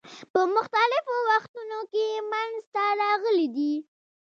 په مختلفو وختونو کې منځته راغلي دي.